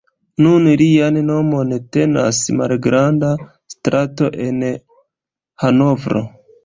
Nun lian nomon tenas malgranda strato en Hanovro.